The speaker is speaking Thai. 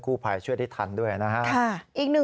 คู่ภายช่วยได้ทันด้วยนะครับ